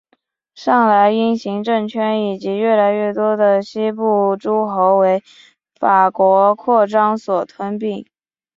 上莱茵行政圈以及越来越多的西部诸侯为法国扩张所吞并。